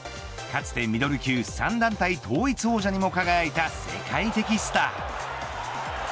かつてミドル級３団体統一王者にも輝いた世界的スター。